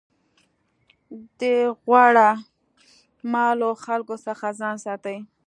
د غوړه مالو خلکو څخه ځان ساتئ.